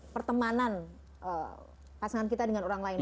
pertemanan pasangan kita dengan orang lain